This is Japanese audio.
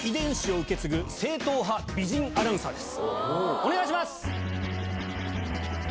お願いします！